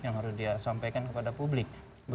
yang harus dia sampaikan kepada publik